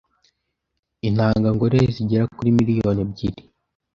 intanga ngore zigera kuri million ebyiri.